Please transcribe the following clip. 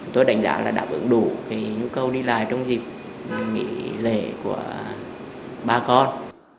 tôi đánh giá là đáp ứng đủ cái nhu cầu đi lại trong dịp nghỉ lễ của ba con